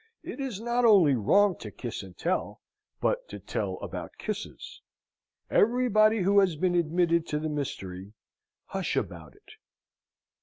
It is not only wrong to kiss and tell, but to tell about kisses. Everybody who has been admitted to the mystery, hush about it.